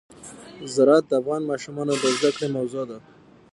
زراعت د افغان ماشومانو د زده کړې موضوع ده.